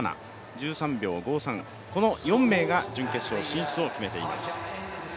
１３秒５３、この４名が準決勝進出を決めています。